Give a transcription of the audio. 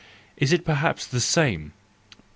Is it perhaps the same ?